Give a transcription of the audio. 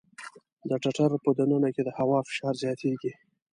د ټټر په د ننه کې د هوا فشار زیاتېږي.